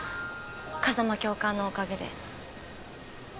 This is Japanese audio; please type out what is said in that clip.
風間教官のおかげで。